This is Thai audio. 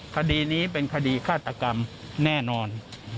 คดีนี้เป็นคดีฆาตกรรมแน่นอน